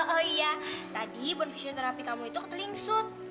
oh iya tadi bon fisioterapi kamu itu telingsut